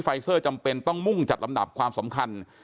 เซอร์จำเป็นต้องมุ่งจัดลำดับความสำคัญ